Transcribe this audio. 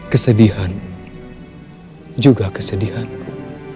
kesedihanmu juga kesedihanmu